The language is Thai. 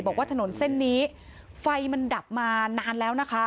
บอกว่าถนนเส้นนี้ไฟมันดับมานานแล้วนะคะ